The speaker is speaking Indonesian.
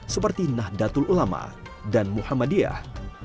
seperti nahdlatul ulama dan muhammadiyah